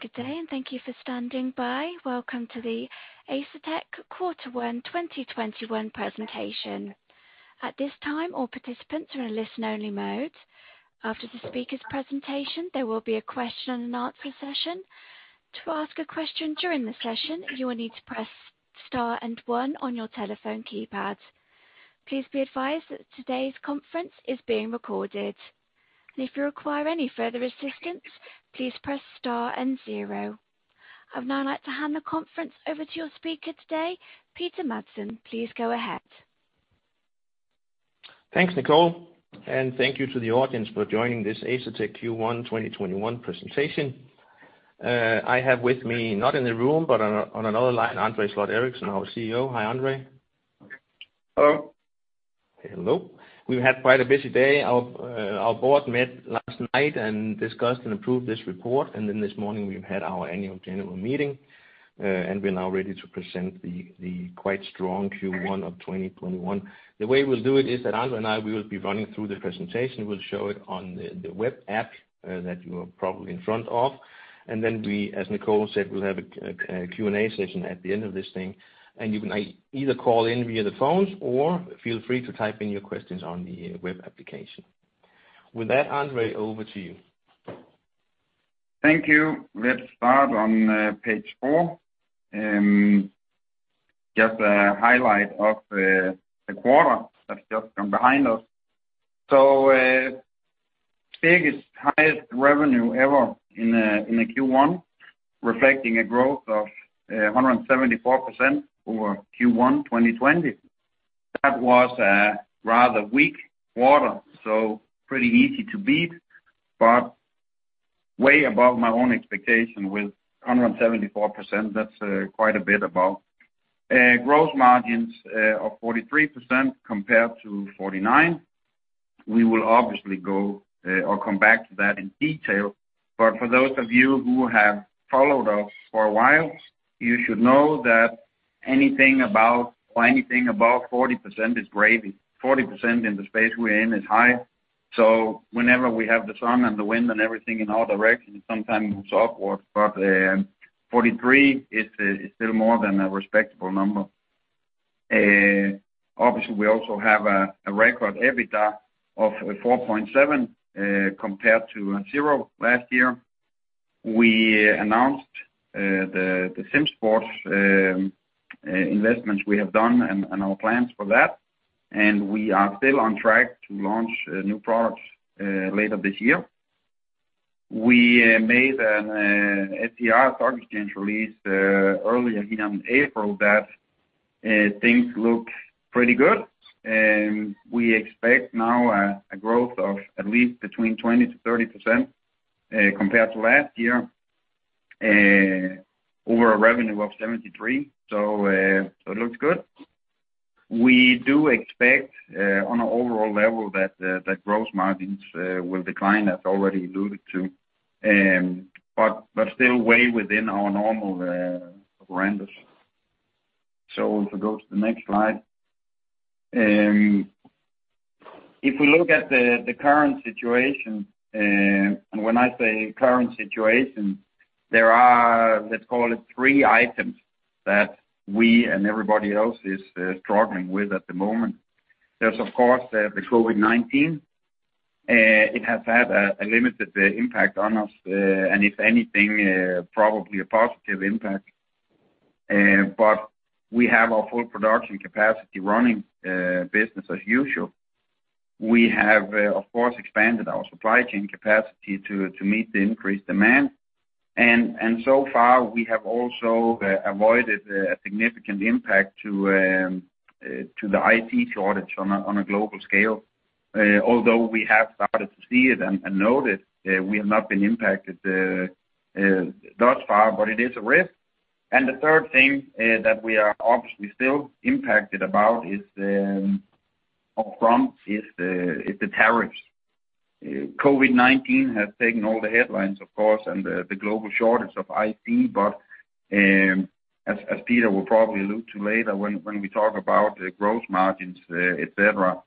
Good day, and thank you for standing by. Welcome to the Asetek quarter one 2021 presentation. At this time, all participants are in listen only mode. After the speaker's presentation, there will be a question and answer session. To ask a question during the session, you will need to press star and one on your telephone keypad. Please be advised that today's conference is being recorded. And if you require any further assistance, please press star and zero. I'd now like to hand the conference over to your speaker today, Peter Madsen. Please go ahead. Thanks, Nicole, and thank you to the audience for joining this Asetek Q1 2021 presentation. I have with me, not in the room, but on another line, André Sloth Eriksen, our CEO. Hi, André. Hello. Hello. We've had quite a busy day. Our board met last night and discussed and approved this report. This morning, we've had our annual general meeting. We're now ready to present the quite strong Q1 of 2021. The way we'll do it is that André and I, we will be running through the presentation. We'll show it on the web app that you are probably in front of. And then we, as Nicole said, we'll have a Q&A session at the end of this thing, and you can either call in via the phones or feel free to type in your questions on the web application. With that, André, over to you. Thank you. Let's start on page four. Just a highlight of the quarter that's just come behind us. Biggest, highest revenue ever in a Q1, reflecting a growth of 174% over Q1 2020. That was a rather weak quarter, so pretty easy to beat, but way above my own expectation with 174%. That's quite a bit above. Gross margins of 43% compared to 49%. We will obviously go or come back to that in detail. For those of you who have followed us for a while, you should know that anything above 40% is gravy. 40% in the space we're in is high. Whenever we have the sun and the wind and everything in all directions, sometimes it's upwards. 43% is still more than a respectable number. Obviously, we also have a record EBITDA of $4.7 compared to zero last year. We announced the SimSports investments we have done and our plans for that, and we are still on track to launch new products later this year. We made an FDR, target change release, earlier in April that things look pretty good. We expect now a growth of at least between 20%-30% compared to last year over a revenue of $73. It looks good. We do expect, on an overall level that gross margins will decline, as already alluded to, but still way within our normal ranges. If we go to the next slide. If we look at the current situation, and when I say current situation, there are, let's call it three items that we and everybody else is struggling with at the moment. There's, of course, the COVID-19. It has had a limited impact on us, and if anything, probably a positive impact. We have our full production capacity running, business as usual. We have, of course, expanded our supply chain capacity to meet the increased demand. So far, we have also avoided a significant impact to the IT shortage on a global scale. Although we have started to see it and notice, we have not been impacted thus far, but it is a risk. The third thing that we are obviously still impacted about is the tariffs. COVID-19 has taken all the headlines, of course, and the global shortage of IT. As Peter will probably allude to later when we talk about gross margins, et cetera,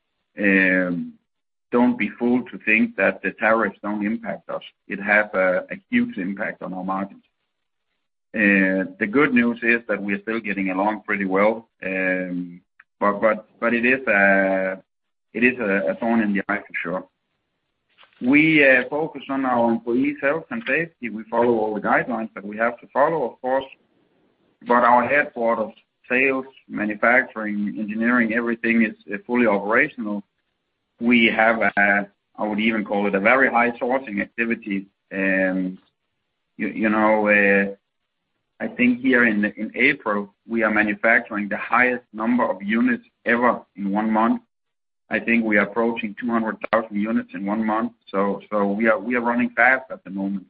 don't be fooled to think that the tariffs don't impact us. It has a huge impact on our margins. The good news is that we're still getting along pretty well, but it is a thorn in the eye for sure. We focus on our employees' health and safety. We follow all the guidelines that we have to follow, of course. Our headquarters, sales, manufacturing, engineering, everything is fully operational. We have a, I would even call it a very high sourcing activity. I think here in April, we are manufacturing the highest number of units ever in one month. I think we are approaching 200,000 units in one month. We are running fast at the moment.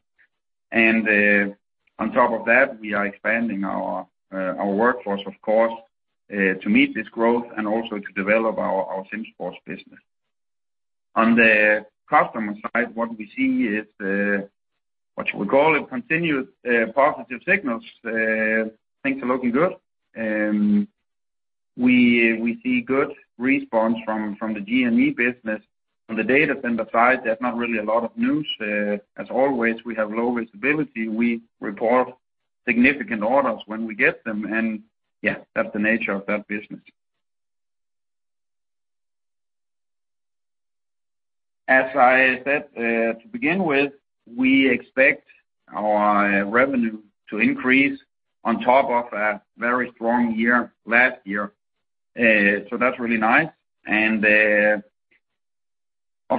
On top of that, we are expanding our workforce, of course, to meet this growth and also to develop our SimSports business. On the customer side, what we see is, what you would call it, continued positive signals. Things are looking good. We see good response from the G&E business. On the data center side, there's not really a lot of news. As always, we have low visibility. We report significant orders when we get them, and yeah, that's the nature of that business. As I said, to begin with, we expect our revenue to increase on top of a very strong year last year. That's really nice, and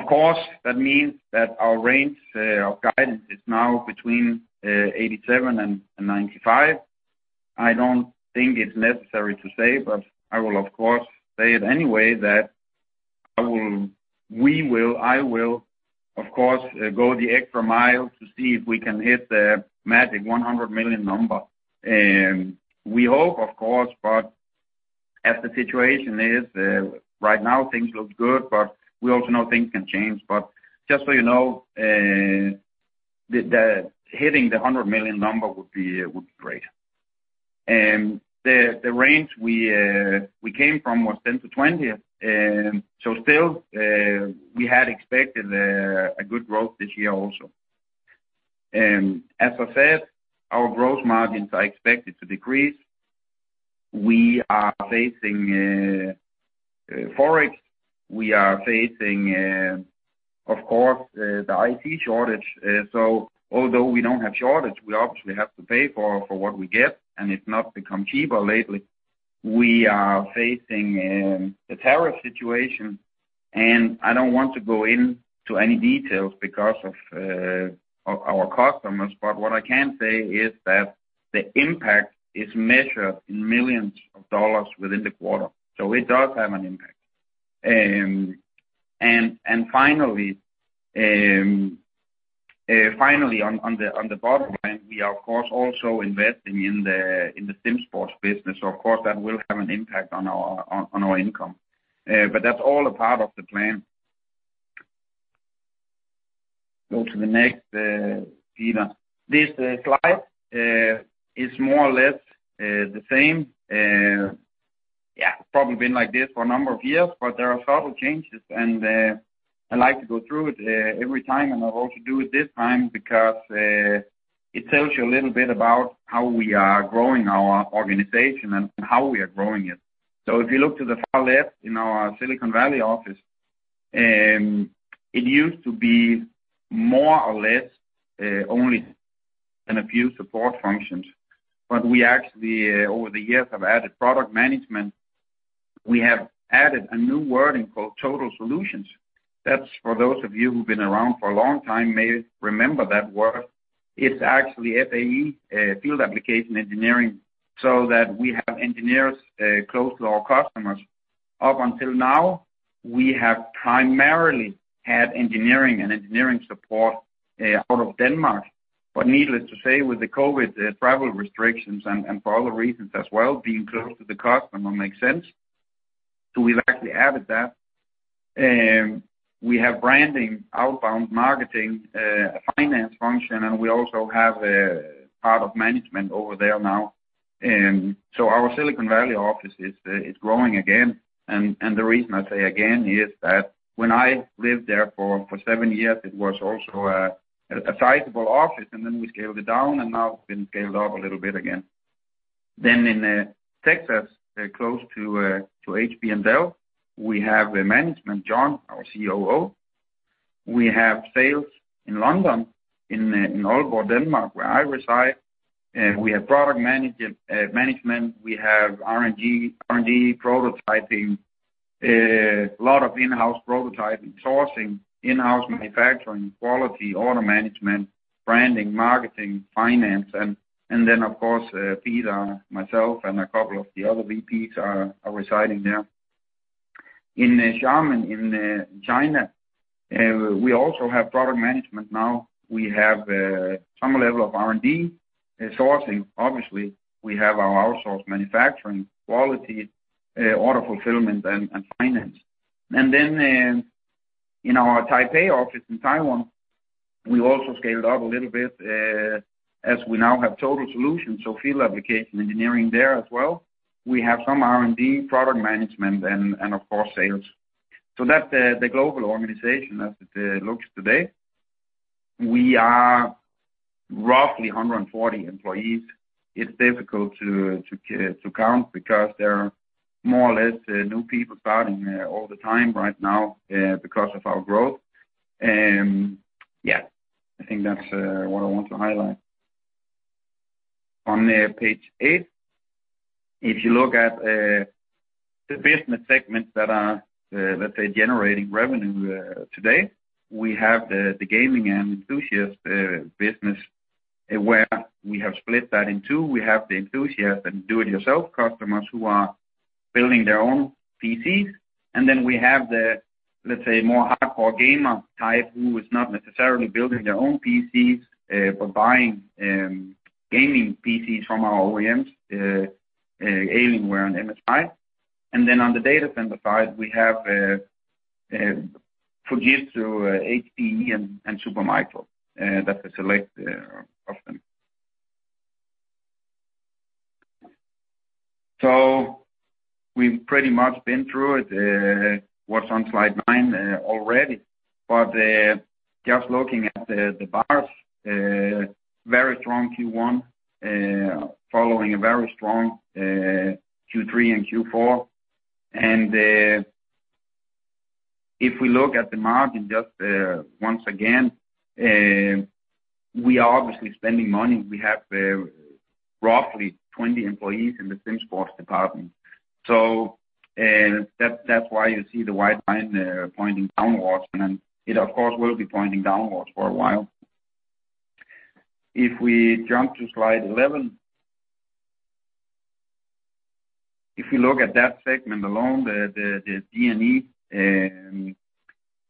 of course, that means that our range of guidance is now between $87 million and $95 million. I don't think it's necessary to say, but I will of course say it anyway, that we will, I will, of course, go the extra mile to see if we can hit the magic $100 million. We hope, of course, but as the situation is right now, things look good, but we also know things can change, but just so you know, hitting the $100 million would be great. The range we came from was $10 million-$20 million. Still, we had expected a good growth this year also. As I said, our gross margins are expected to decrease. We are facing Forex. We are facing, of course, the IC shortage. Although we don't have shortage, we obviously have to pay for what we get, and it's not become cheaper lately. We are facing the tariff situation, and I don't want to go into any details because of our customers, but what I can say is that the impact is measured in millions of dollars within the quarter. It does have an impact. Finally, on the bottom line, we are of course also investing in the SimSports business. Of course, that will have an impact on our income. That's all a part of the plan. Go to the next, Peter. This slide is more or less the same. Yeah, probably been like this for a number of years, but there are subtle changes, and I like to go through it every time, and I'll also do it this time because it tells you a little bit about how we are growing our organization and how we are growing it. If you look to the far left in our Silicon Valley office, it used to be more or less only a few support functions. We actually, over the years, have added product management. We have added a new wording called total solutions. That's for those of you who've been around for a long time may remember that word. It's actually FAE, Field Application Engineering, so that we have engineers close to our customers. Up until now, we have primarily had engineering and engineering support out of Denmark. Needless to say, with the COVID travel restrictions and for other reasons as well, being close to the customer makes sense. We've actually added that. We have branding, outbound marketing, a finance function, and we also have part of management over there now. Our Silicon Valley office is growing again. The reason I say again is that when I lived there for seven years, it was also a sizable office, and then we scaled it down, and now it's been scaled up a little bit again. In Texas, close to HP and Dell, we have a management, John, our COO. We have sales in London, in Aalborg, Denmark, where I reside. We have product management. We have R&D prototyping, a lot of in-house prototyping, sourcing, in-house manufacturing, quality, order management, branding, marketing, finance, and then of course, Peter, myself, and a couple of the other VPs are residing there. In Xiamen in China, we also have product management now. We have some level of R&D and sourcing. Obviously, we have our outsourced manufacturing, quality, order fulfillment, and finance. In our Taipei office in Taiwan, we also scaled up a little bit as we now have total solutions, so field application engineering there as well. We have some R&D, product management, and of course, sales. That's the global organization as it looks today. We are roughly 140 employees. It's difficult to count because there are more or less new people starting all the time right now because of our growth. Yeah, I think that's what I want to highlight. On the page eight, if you look at the business segments that are, let's say, generating revenue today, we have the Gaming & Enthusiasts business where we have split that in two. We have the enthusiast and do-it-yourself customers who are building their own PCs. We have the, let's say, more hardcore gamer type who is not necessarily building their own PCs, but buying gaming PCs from our OEMs, Alienware and MSI. On the data center side, we have Fujitsu, HPE, and Supermicro. That's a select of them. We've pretty much been through it, what's on slide nine already. Just looking at the bars, very strong Q1 following a very strong Q3 and Q4. If we look at the margin just once again, we are obviously spending money. We have roughly 20 employees in the SimSports department. That's why you see the white line there pointing downwards, and it, of course, will be pointing downwards for a while. If we jump to slide 11. If you look at that segment alone, the G&E,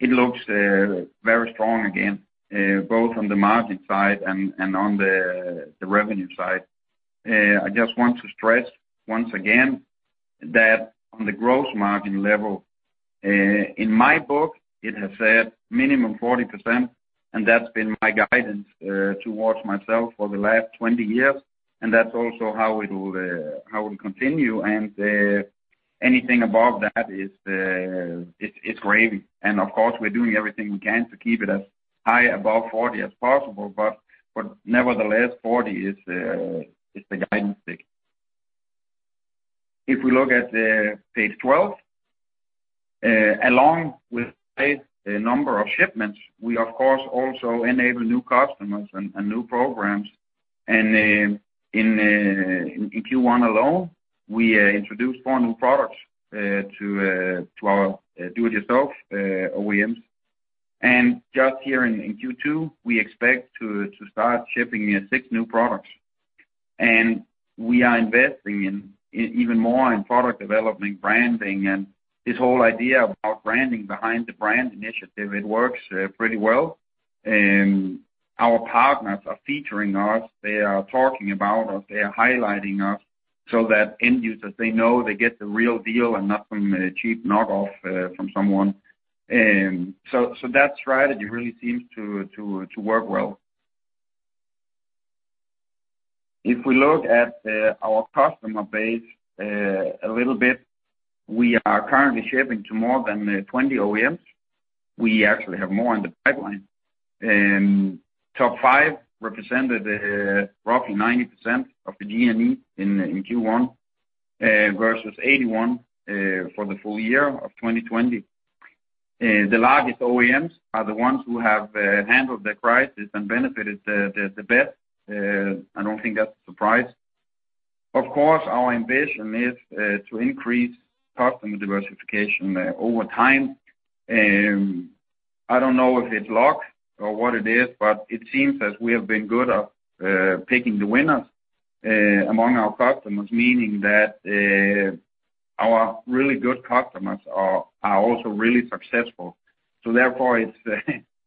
it looks very strong again, both on the margin side and on the revenue side. I just want to stress once again that on the gross margin level, in my book, it has said minimum 40%, and that's been my guidance towards myself for the last 20 years. That's also how it will continue, and anything above that, it's gravy. Of course, we're doing everything we can to keep it as high above 40 as possible. Nevertheless, 40 is the guidance stick. If we look at page 12, along with the number of shipments, we of course also enable new customers and new programs. In Q1 alone, we introduced four new products to our do-it-yourself OEMs. Just here in Q2, we expect to start shipping six new products. We are investing even more in product development, branding, and this whole idea about branding behind the brand initiative, it works pretty well. Our partners are featuring us. They are talking about us. They are highlighting us so that end users, they know they get the real deal and not some cheap knockoff from someone. That strategy really seems to work well. If we look at our customer base a little bit, we are currently shipping to more than 20 OEMs. We actually have more in the pipeline. Top five represented roughly 90% of the G&E in Q1 versus 81% for the full year of 2020. The largest OEMs are the ones who have handled the crisis and benefited the best. I don't think that's a surprise. Of course, our ambition is to increase customer diversification over time. I don't know if it's luck or what it is, but it seems as we have been good at picking the winners among our customers, meaning that our really good customers are also really successful. Therefore, it's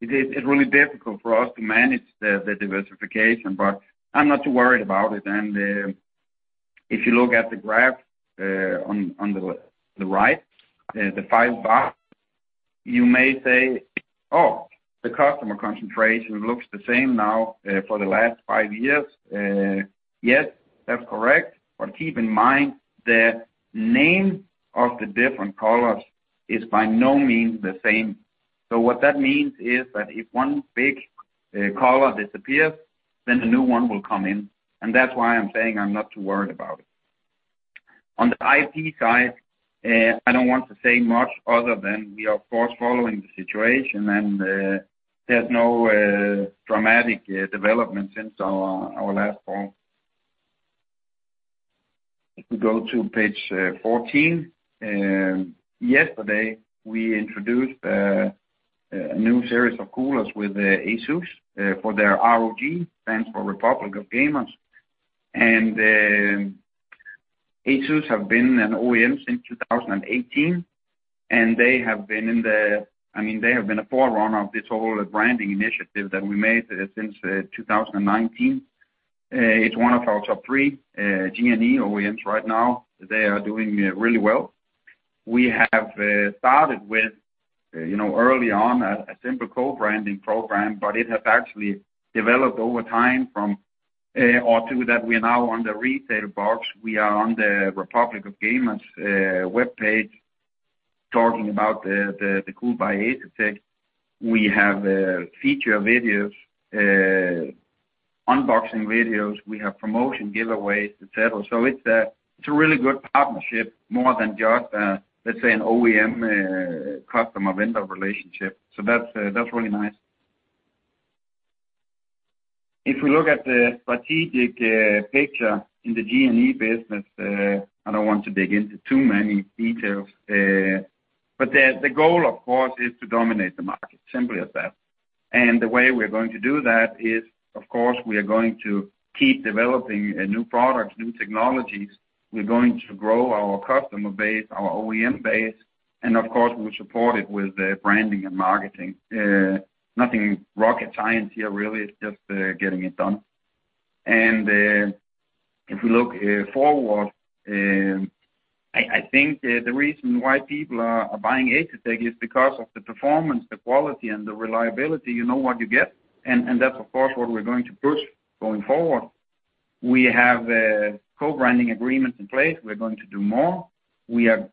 really difficult for us to manage the diversification, but I'm not too worried about it. If you look at the graph on the right, the five bars, you may say, "Oh, the customer concentration looks the same now for the last five years." Yes, that's correct. Keep in mind, the name of the different colors is by no means the same. What that means is that if one big color disappears, then a new one will come in. That's why I'm saying I'm not too worried about it. On the IP side, I don't want to say much other than we are, of course, following the situation, and there's no dramatic development since our last call. If we go to page 14. Yesterday we introduced a new series of coolers with ASUS for their ROG, stands for Republic of Gamers. ASUS have been an OEM since 2018, and they have been a forerunner of this whole branding initiative that we made since 2019. It's one of our top three G&E OEMs right now. They are doing really well. We have started with, early on, a simple co-branding program, but it has actually developed over time from, or to that we are now on the retail box. We are on the Republic of Gamers webpage talking about the Cool by Asetek. We have feature videos, unboxing videos. We have promotion giveaways, et cetera. It's a really good partnership more than just, let's say, an OEM customer-vendor relationship. That's really nice. If we look at the strategic picture in the G&E business, I don't want to dig into too many details. The goal, of course, is to dominate the market, simply as that. The way we're going to do that is, of course, we are going to keep developing new products, new technologies. We're going to grow our customer base, our OEM base, and of course, we support it with branding and marketing. Nothing rocket science here, really. It's just getting it done. If we look forward, I think the reason why people are buying Asetek is because of the performance, the quality, and the reliability. You know what you get, and that's, of course, what we're going to push going forward. We have co-branding agreements in place. We're going to do more. We are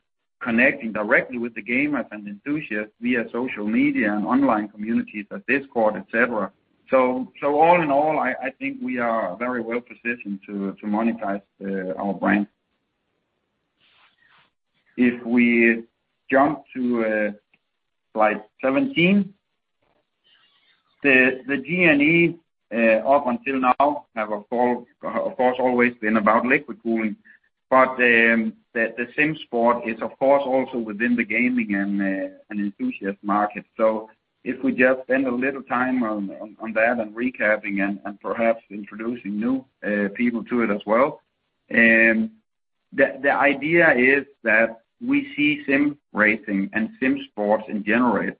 connecting directly with the gamers and enthusiasts via social media and online communities like Discord, et cetera. All in all, I think we are very well-positioned to monetize our brand. If we jump to slide 17. The G&E, up until now, have, of course, always been about liquid cooling. The sim sport is, of course, also within the gaming and enthusiasts market. If we just spend a little time on that and recapping and perhaps introducing new people to it as well. The idea is that we see sim racing and sim sports in general.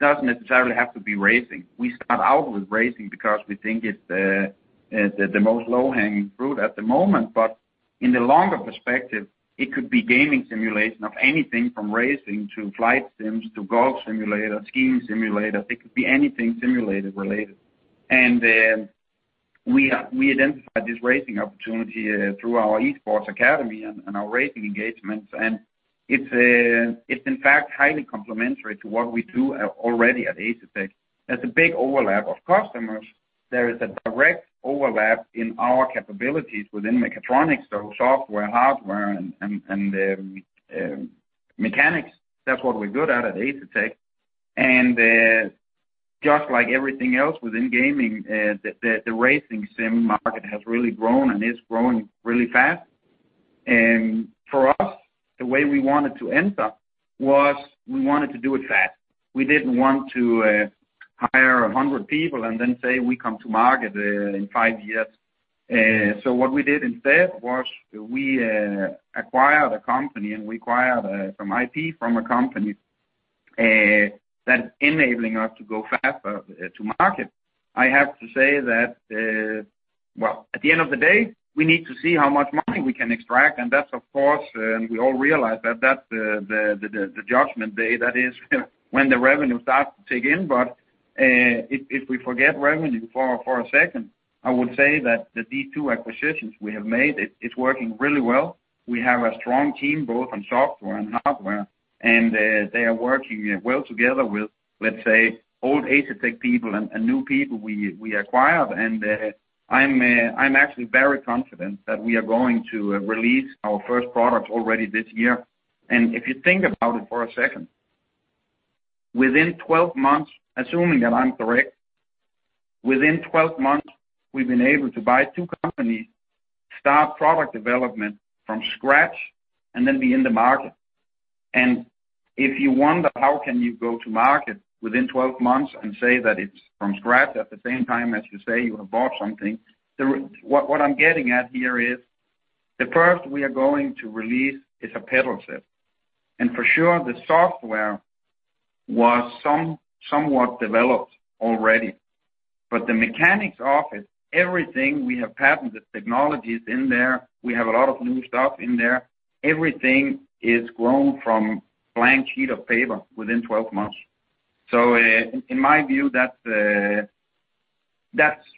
It doesn't necessarily have to be racing. We start out with racing because we think it's the most low-hanging fruit at the moment, but in the longer perspective, it could be gaming simulation of anything from racing to flight sims to golf simulator, skiing simulator. It could be anything simulator related. We identified this racing opportunity through our esports academy and our racing engagements, and it's in fact highly complementary to what we do already at Asetek. There's a big overlap of customers. There is a direct overlap in our capabilities within mechatronics or software, hardware, and mechanics. That's what we're good at Asetek. Just like everything else within gaming, the racing sim market has really grown and is growing really fast. For us, the way we wanted to enter was we wanted to do it fast. We didn't want to hire 100 people and then say we come to market in five years. What we did instead was we acquired a company, and we acquired some IP from a company that's enabling us to go faster to market. I have to say that, well, at the end of the day, we need to see how much money we can extract, and that's of course, we all realize that that's the judgment day. That is when the revenue starts to kick in. If we forget revenue for a second, I would say that these two acquisitions we have made, it's working really well. We have a strong team, both on software and hardware, they are working well together with, let's say, old Asetek people and new people we acquired. I'm actually very confident that we are going to release our first product already this year. If you think about it for a second, within 12 months, assuming that I'm correct, within 12 months, we've been able to buy two companies, start product development from scratch, and then be in the market. If you wonder how can you go to market within 12 months and say that it's from scratch at the same time as you say you have bought something, what I'm getting at here is the first we are going to release is a pedal set. For sure, the software was somewhat developed already, but the mechanics of it, everything, we have patented technologies in there. We have a lot of new stuff in there. Everything is grown from a blank sheet of paper within 12 months. In my view, that's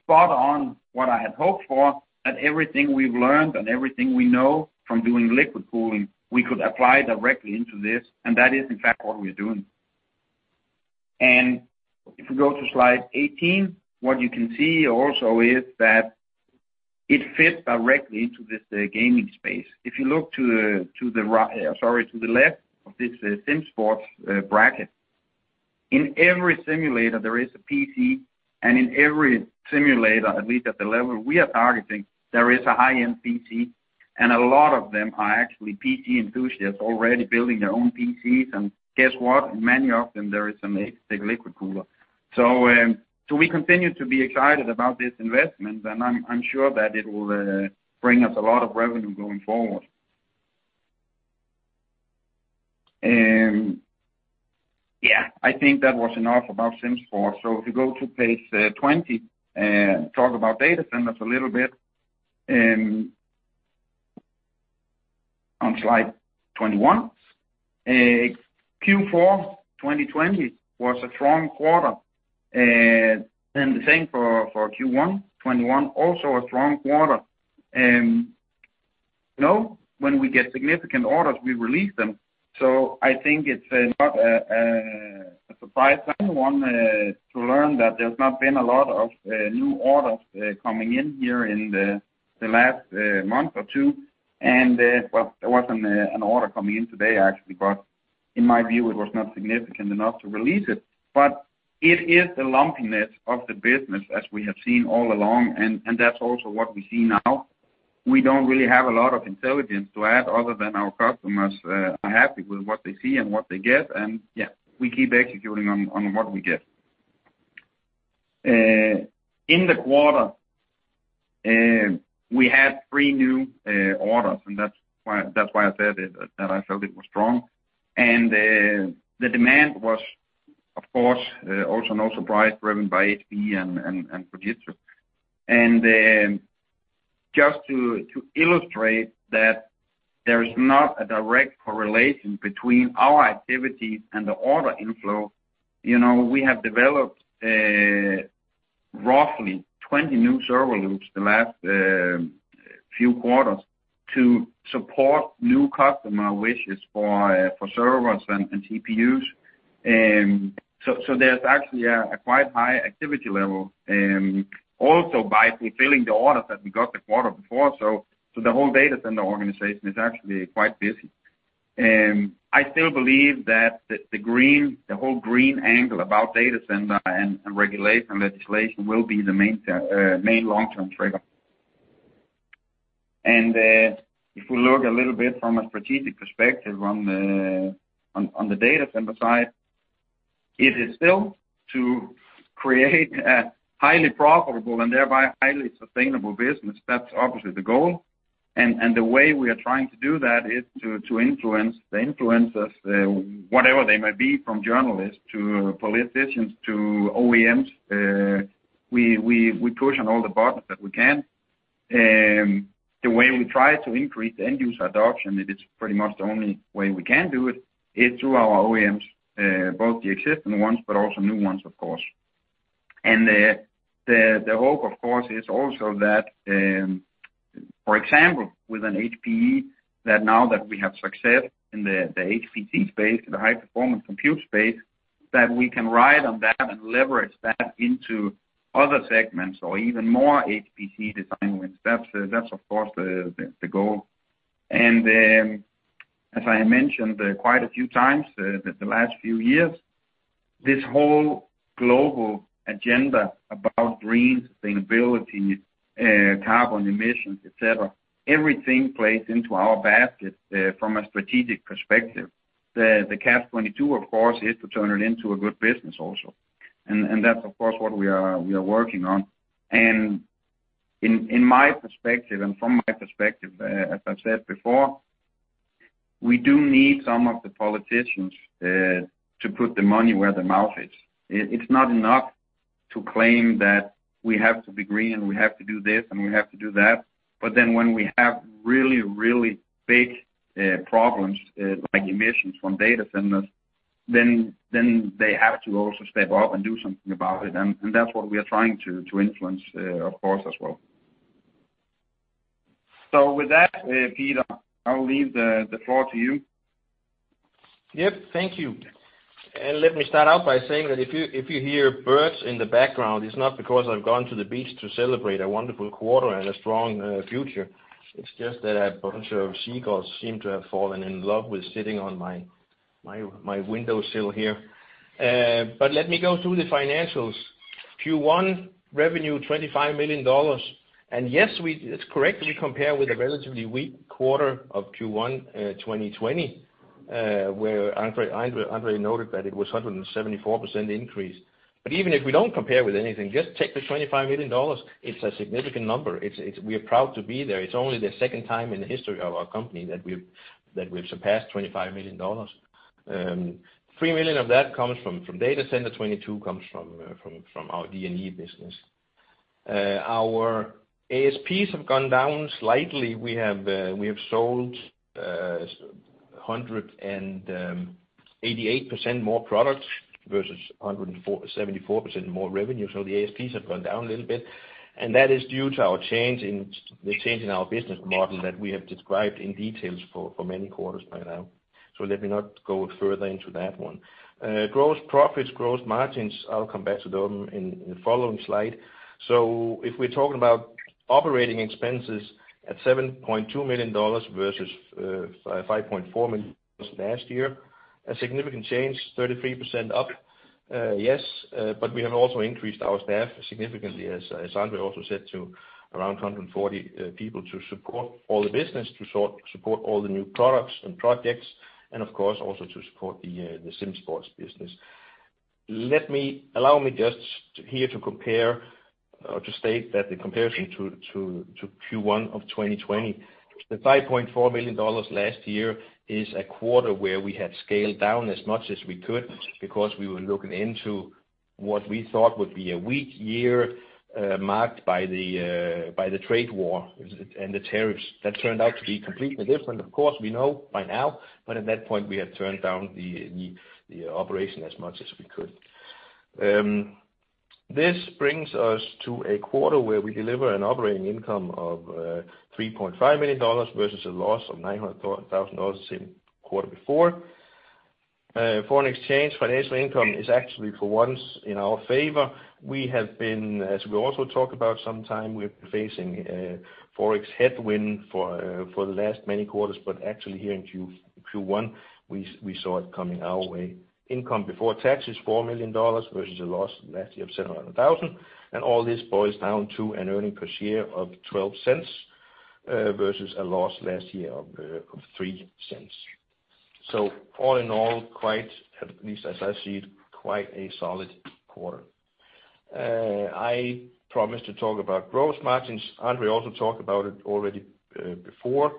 spot on what I had hoped for, that everything we've learned and everything we know from doing liquid cooling, we could apply directly into this, and that is, in fact, what we're doing. If we go to slide 18, what you can see also is that it fits directly into this gaming space. If you look to the left of this SimSports bracket, in every simulator, there is a PC, and in every simulator, at least at the level we are targeting, there is a high-end PC, and a lot of them are actually PC enthusiasts already building their own PCs. Guess what. In many of them, there is an Asetek liquid cooler. We continue to be excited about this investment, and I'm sure that it will bring us a lot of revenue going forward. Yeah, I think that was enough about SimSports. If you go to page 20, talk about data centers a little bit. On slide 21. Q4 2020 was a strong quarter, and the same for Q1 2021, also a strong quarter. When we get significant orders, we release them. I think it's not a surprise to anyone to learn that there's not been a lot of new orders coming in here in the last month or two. Well, there was an order coming in today, actually, but in my view, it was not significant enough to release it. It is the lumpiness of the business as we have seen all along, and that's also what we see now. We don't really have a lot of intelligence to add other than our customers are happy with what they see and what they get, and yeah, we keep executing on what we get. In the quarter, we had three new orders, and that's why I said that I felt it was strong. The demand was of course, also no surprise, driven by HPE and Fujitsu. Just to illustrate that there is not a direct correlation between our activities and the order inflow. We have developed roughly 20 new server loops the last few quarters to support new customer wishes for servers and TPUs. There's actually a quite high activity level. Also by fulfilling the orders that we got the quarter before. The whole data center organization is actually quite busy. I still believe that the whole green angle about data center and regulation legislation will be the main long-term trigger. If we look a little bit from a strategic perspective on the data center side, it is still to create a highly profitable and thereby highly sustainable business. That's obviously the goal. The way we are trying to do that is to influence the influencers, whatever they may be, from journalists to politicians to OEMs. We push on all the buttons that we can. The way we try to increase the end user adoption, it is pretty much the only way we can do it, is through our OEMs, both the existing ones, but also new ones, of course. The hope, of course, is also that, for example, with an HPE, that now that we have success in the HPC space, the high performance compute space, that we can ride on that and leverage that into other segments or even more HPC design wins. That's, of course, the goal. As I mentioned quite a few times the last few years, this whole global agenda about green sustainability, carbon emissions, et cetera, everything plays into our basket from a strategic perspective. The catch-22, of course, is to turn it into a good business also. That's, of course, what we are working on. In my perspective, and from my perspective, as I've said before, we do need some of the politicians to put their money where their mouth is. It's not enough to claim that we have to be green, and we have to do this, and we have to do that, but then when we have really, really big problems, like emissions from data centers, then they have to also step up and do something about it. That's what we are trying to influence, of course, as well. With that, Peter, I will leave the floor to you. Yep. Thank you. Let me start out by saying that if you hear birds in the background, it's not because I've gone to the beach to celebrate a wonderful quarter and a strong future. It's just that a bunch of seagulls seem to have fallen in love with sitting on my windowsill here. Let me go through the financials. Q1 revenue, $25 million. Yes, it's correct, we compare with a relatively weak quarter of Q1 2020, where André noted that it was 174% increase. Even if we don't compare with anything, just take the $25 million. It's a significant number. We are proud to be there. It's only the second time in the history of our company that we've surpassed $25 million. $3 million of that comes from data center, $22 million comes from our G&E business. Our ASPs have gone down slightly. We have sold 188% more products versus 174% more revenue. The ASPs have gone down a little bit, and that is due to the change in our business model that we have described in details for many quarters by now. Let me not go further into that one. Gross profits, gross margins, I'll come back to them in the following slide. If we're talking about operating expenses at $7.2 million versus $5.4 million last year, a significant change, 33% up. Yes, but we have also increased our staff significantly, as André also said, to around 140 people to support all the business, to support all the new products and projects, and of course, also to support the SimSports business. Allow me just here to compare or to state that the comparison to Q1 of 2020, the $5.4 million last year is a quarter where we had scaled down as much as we could because we were looking into what we thought would be a weak year, marked by the trade war and the tariffs. That turned out to be completely different. Of course, we know by now, but at that point, we had turned down the operation as much as we could. This brings us to a quarter where we deliver an operating income of $3.5 million versus a loss of $900,000 the same quarter before. Foreign exchange financial income is actually for once in our favor. We have been, as we also talk about sometime, we're facing Forex headwind for the last many quarters, but actually here in Q1, we saw it coming our way. Income before tax is $4 million versus a loss last year of $700,000. All this boils down to an earning per share of $0.12 versus a loss last year of $0.03. All in all, at least as I see it, quite a solid quarter. I promised to talk about gross margins. André also talked about it already before.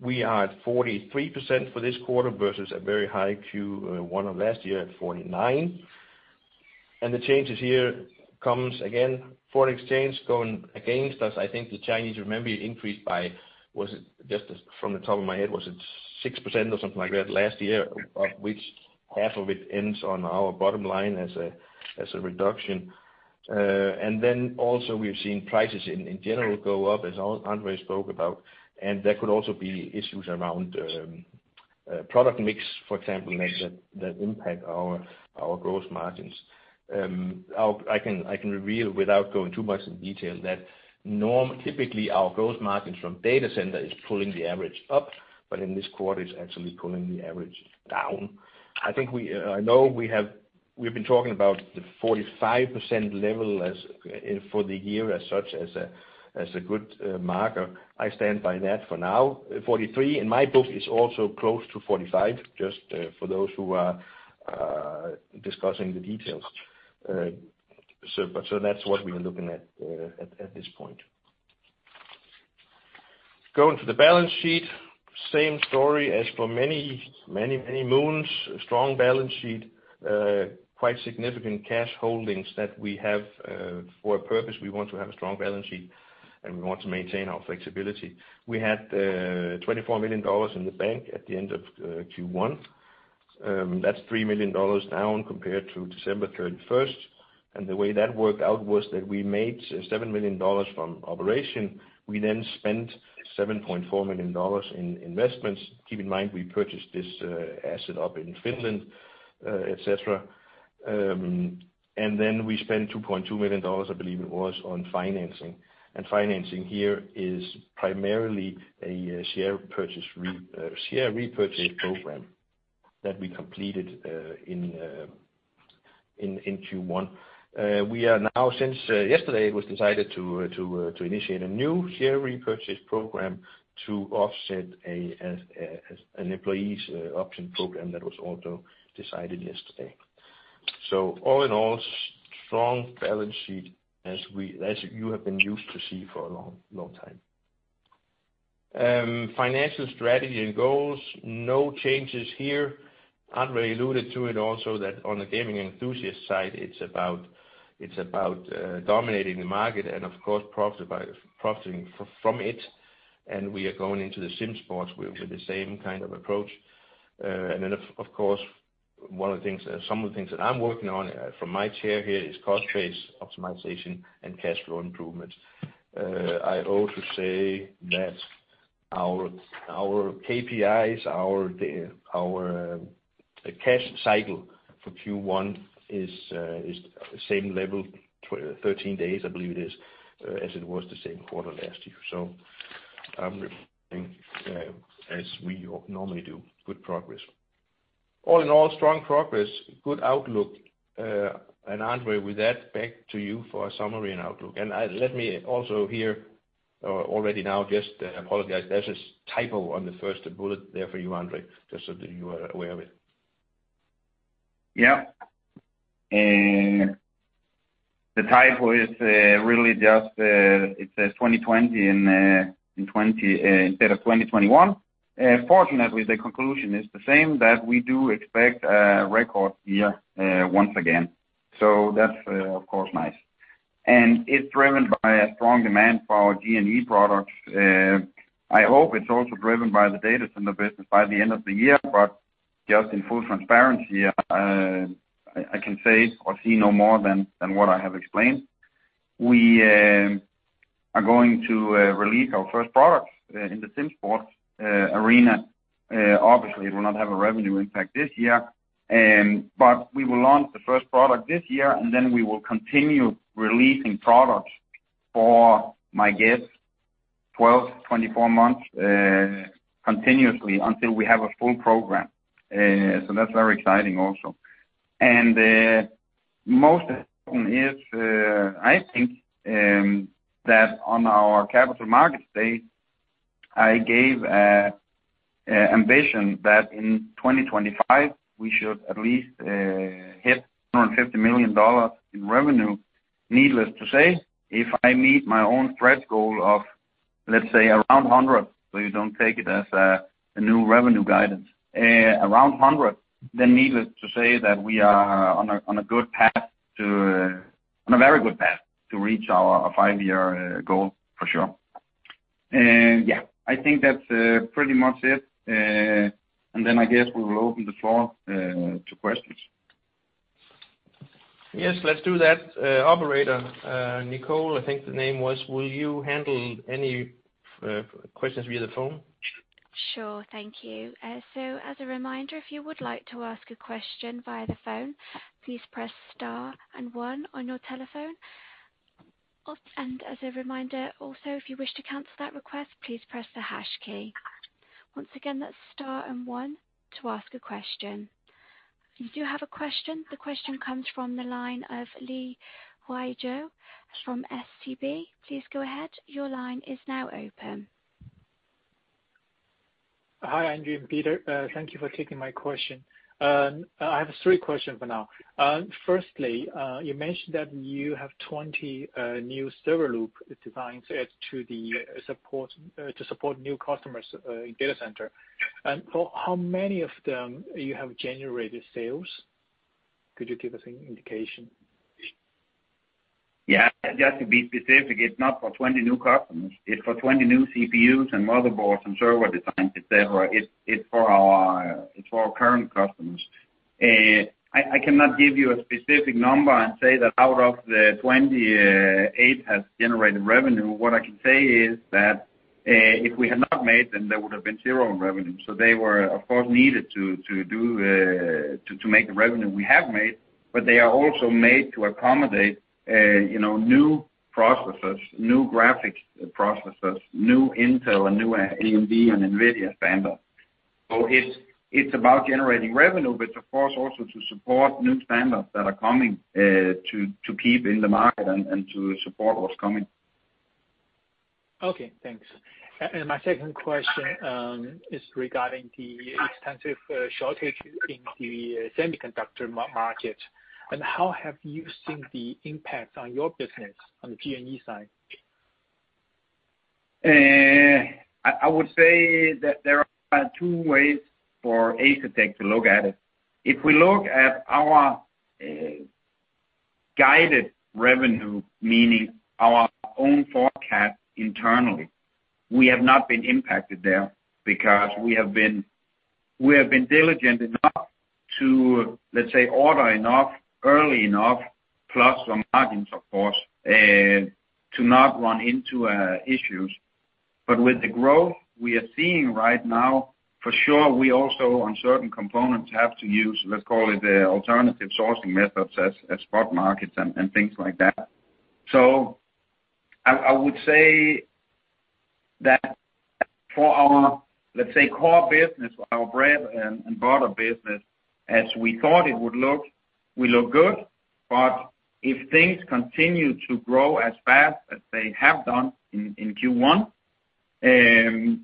We are at 43% for this quarter versus a very high Q1 of last year at 49%. The changes here comes, again, foreign exchange going against us. I think the Chinese, remember, increased by, from the top of my head, was it 6% or something like that last year, of which half of it ends on our bottom line as a reduction. Also we've seen prices in general go up, as André spoke about, and there could also be issues around product mix, for example, that impact our gross margins. I can reveal, without going too much in detail, that typically our gross margins from data center is pulling the average up, but in this quarter, it's actually pulling the average down. I know we've been talking about the 45% level for the year as such as a good marker. I stand by that for now, 43, and my book is also close to 45, just for those who are discussing the details. That's what we're looking at this point. Going to the balance sheet, same story as for many moons. A strong balance sheet. Quite significant cash holdings that we have for a purpose. We want to have a strong balance sheet, and we want to maintain our flexibility. We had $24 million in the bank at the end of Q1. That's $3 million down compared to December 31st. The way that worked out was that we made $7 million from operation. We spent $7.4 million in investments. Keep in mind, we purchased this asset up in Finland, et cetera. We spent $2.2 million, I believe it was, on financing. Financing here is primarily a share repurchase program that we completed in Q1. We are now, since yesterday, it was decided to initiate a new share repurchase program to offset an employees' option program that was also decided yesterday. All in all, strong balance sheet as you have been used to see for a long time. Financial strategy and goals, no changes here. André alluded to it also that on the gaming enthusiast side, it's about dominating the market and of course, profiting from it. We are going into the SimSports with the same kind of approach. Of course, some of the things that I'm working on from my chair here is cost base optimization and cash flow improvements. I ought to say that our KPIs, our cash cycle for Q1 is the same level, 13 days I believe it is, as it was the same quarter last year. I'm reviewing, as we normally do, good progress. All in all, strong progress, good outlook. André, with that, back to you for a summary and outlook. Let me also here, already now just apologize, there's a typo on the first bullet there for you, André, just so that you are aware of it. Yeah. The typo is really just, it says 2020 instead of 2021. Fortunately, the conclusion is the same, that we do expect a record year once again. That's, of course, nice. It's driven by a strong demand for our G&E products. I hope it's also driven by the data center business by the end of the year, just in full transparency, I can say or see no more than what I have explained. We are going to release our first product in the SimSports arena. Obviously, it will not have a revenue impact this year, we will launch the first product this year, we will continue releasing products for, my guess, 12-24 months, continuously until we have a full program. That's very exciting also. Most important is, I think that on our Capital Markets Day, I gave a ambition that in 2025, we should at least hit $150 million in revenue. Needless to say, if I meet my own stretch goal of, let's say, around 100, you don't take it as a new revenue guidance, around 100, needless to say that we are on a very good path to reach our five-year goal for sure. I think that's pretty much it. I guess we will open the floor to questions. Yes, let's do that. Operator, Nicole, I think the name was, will you handle any questions via the phone? Sure. Thank you. As a reminder, if you would like to ask a question via the phone, please press star and one on your telephone. As a reminder also, if you wish to cancel that request, please press the hash key. Once again, that's star and one to ask a question. We do have a question. The question comes from the line of [Li Hualong] from SEB. Please go ahead. Your line is now open. Hi, André and Peter. Thank you for taking my question. I have three questions for now. Firstly, you mentioned that you have 20 new server loop designs to support new customers in the data center. For how many of them you have generated sales? Could you give us an indication? Just to be specific, it's not for 20 new customers, it's for 20 new CPUs and motherboards and server designs, et cetera. It's for our current customers. I cannot give you a specific number and say that out of the 20, eight has generated revenue. What I can say is that, if we had not made them, there would have been zero in revenue. They were, of course, needed to make the revenue we have made, but they are also made to accommodate new processors, new graphics processors, new Intel and new AMD and NVIDIA standards. It's about generating revenue, but of course, also to support new standards that are coming to keep in the market and to support what's coming. Okay, thanks. My second question is regarding the extensive shortage in the semiconductor market, and how have you seen the impact on your business on the G&E side? I would say that there are two ways for Asetek to look at it. If we look at our guided revenue, meaning our own forecast internally, we have not been impacted there because we have been diligent enough to, let's say, order enough, early enough, plus some margins, of course, to not run into issues. With the growth we are seeing right now, for sure, we also, on certain components, have to use, let's call it, the alternative sourcing methods as spot markets and things like that. I would say that for our, let's say, core business, our bread and butter business, as we thought it would look, we look good. If things continue to grow as fast as they have done in Q1, then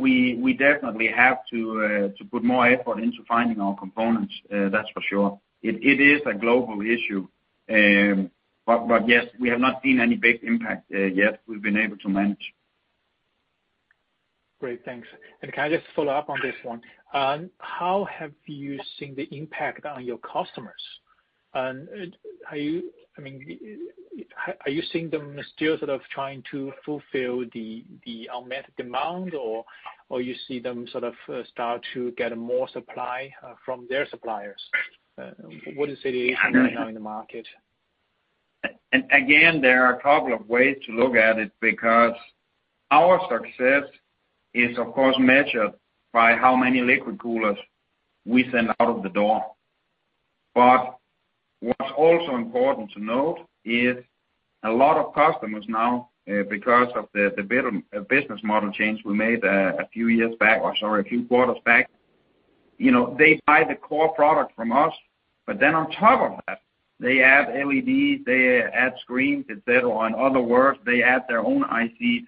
we definitely have to put more effort into finding our components, that's for sure. It is a global issue. Yes, we have not seen any big impact yet. We've been able to manage. Great, thanks. Can I just follow up on this one? How have you seen the impact on your customers? Are you seeing them still sort of trying to fulfill the unmet demand, or you see them sort of start to get more supply from their suppliers? What is the situation right now in the market? Again, there are a couple of ways to look at it because our success is, of course, measured by how many liquid coolers we send out of the door. What's also important to note is a lot of customers now, because of the business model change we made a few years back, or, sorry, a few quarters back. They buy the core product from us, but then on top of that, they add LEDs, they add screens, et cetera. In other words, they add their own IC.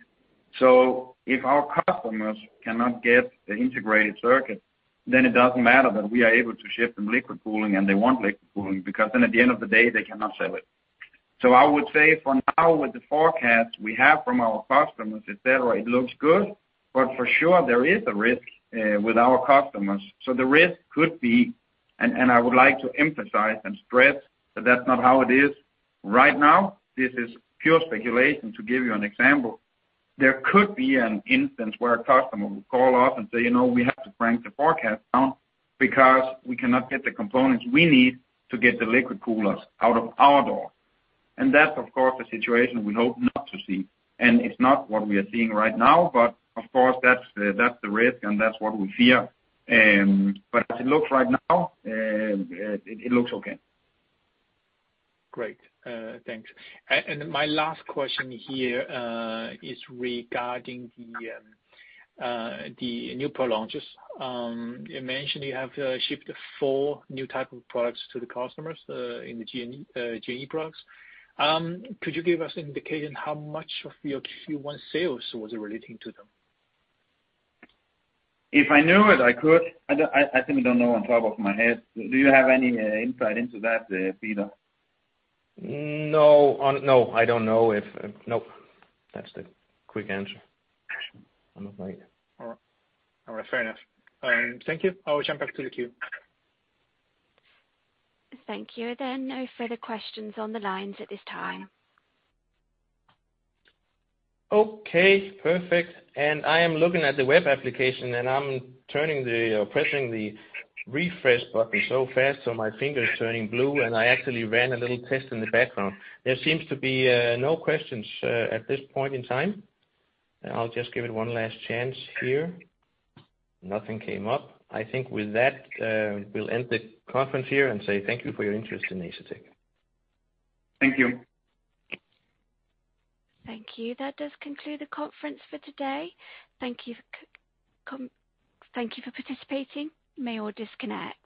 If our customers cannot get the integrated circuit, then it doesn't matter that we are able to ship them liquid cooling and they want liquid cooling, because then at the end of the day, they cannot sell it. I would say for now, with the forecast we have from our customers, et cetera, it looks good, but for sure, there is a risk with our customers. The risk could be, and I would like to emphasize and stress that that's not how it is right now. This is pure speculation. To give you an example, there could be an instance where a customer would call up and say, "We have to bring the forecast down because we cannot get the components we need to get the liquid coolers out of our door." That's, of course, a situation we hope not to see, and it's not what we are seeing right now. Of course, that's the risk and that's what we fear. As it looks right now, it looks okay. Great. Thanks. My last question here is regarding the new pro launches. You mentioned you have shipped four new type of products to the customers in the G&E products. Could you give us an indication how much of your Q1 sales was relating to them? If I knew it, I could. I simply don't know on top of my head. Do you have any insight into that, Peter? No, I don't know. Nope. That's the quick answer on my end. All right. Fair enough. Thank you. I'll jump back to the queue. Thank you. There are no further questions on the lines at this time. Okay, perfect. I am looking at the web application, and I'm pressing the refresh button so fast so my finger is turning blue, and I actually ran a little test in the background. There seems to be no questions at this point in time. I'll just give it one last chance here. Nothing came up. I think with that, we'll end the conference here and say thank you for your interest in Asetek. Thank you. Thank you. That does conclude the conference for today. Thank you for participating. You may all disconnect.